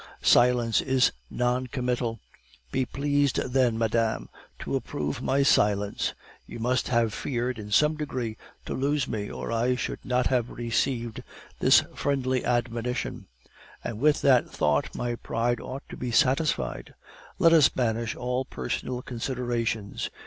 Silence is non committal; be pleased then, madame, to approve my silence. You must have feared, in some degree, to lose me, or I should not have received this friendly admonition; and with that thought my pride ought to be satisfied. Let us banish all personal considerations.